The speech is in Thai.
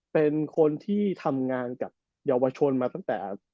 เป็นคนที่ทำงานกับเยาวชนมาตั้งแต่